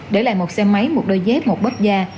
để lại một xe máy một đôi dép một bóp da